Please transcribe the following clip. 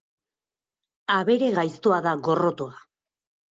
Abere gaiztoa da gorrotoa.